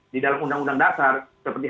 di dalam undang undang dasar seperti